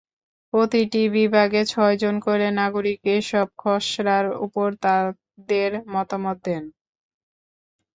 প্রতিটি বিভাগে ছয়জন করে নাগরিক এসব খসড়ার ওপর তাঁদের মতামত দেন।